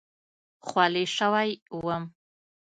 خولې شوی وم.